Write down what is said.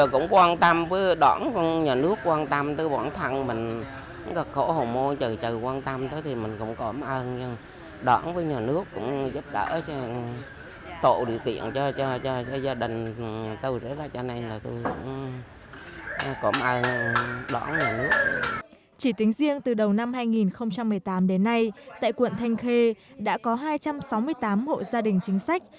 chỉ tính riêng từ đầu năm hai nghìn một mươi tám đến nay tại quận thanh khê đã có hai trăm sáu mươi tám hộ gia đình chính sách